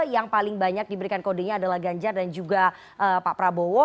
yang paling banyak diberikan kodenya adalah ganjar dan juga pak prabowo